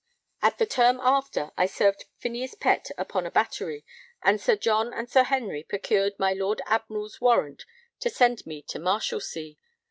At the term after, I served Phineas Pett upon a battery, and Sir John and Sir Henry procured my Lord Admiral's warrant to send me to the Marshalsea.